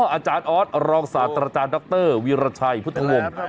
อาจารย์ออสรองศาสตราจารย์ดรวีรชัยพุทธวงศ์